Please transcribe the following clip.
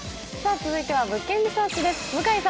続いては「物件リサーチ」です。